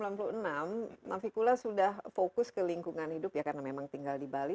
navikula sudah fokus ke lingkungan hidup ya karena memang tinggal di bali